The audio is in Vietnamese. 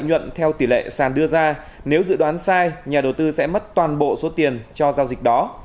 lợi nhuận theo tỷ lệ sàn đưa ra nếu dự đoán sai nhà đầu tư sẽ mất toàn bộ số tiền cho giao dịch đó